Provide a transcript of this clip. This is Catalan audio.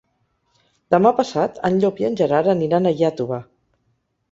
Demà passat en Llop i en Gerard aniran a Iàtova.